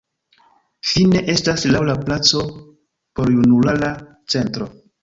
Fine estas laŭ la placo Porjunulara Centro.